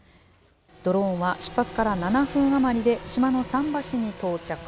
ドローンは出発から７分余りで島の桟橋に到着。